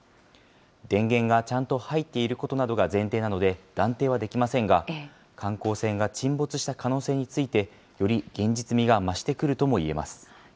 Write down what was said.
電源がちゃんと入っていることなどが前提なので、断定はできませんが、観光船が沈没した可能性について、より現実味が増してくるとも言えます。